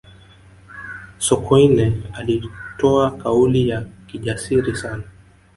sokoine alitoa kauli ya kijasiri sana